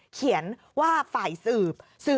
เขียนว่าฝ่ายสืบ